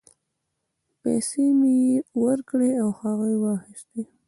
پیسې مې یې ورکړې او هغه یې واخیستې.